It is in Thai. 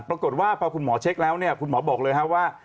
ปรากฏว่าพอคุณหมอเช็คแล้วคุณหมอบอกเลยว่า